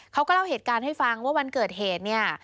เขาก็เล่าเหตุการณ์ให้ฟังว่าวันเกิดเหตุเนี่ย